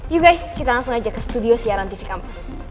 you guys kita langsung aja ke studio siaran tv kampus